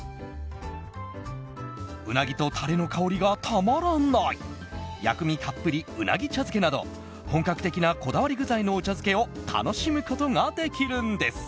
ウナギとタレの香りがたまらない薬味たっぷり鰻茶漬けなどこだわりの本格茶漬けを楽しむことができるんです。